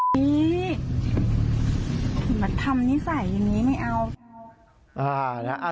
นี่มาทำนิสัยอย่างนี้ไม่เอา